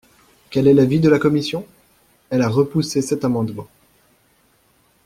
Quel est l’avis de la commission ? Elle a repoussé cet amendement.